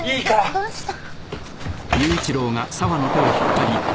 どどうした？